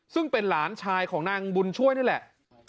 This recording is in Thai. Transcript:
ซึ่งเป็นหลานชายของนางบุญช่วยนี่แหละ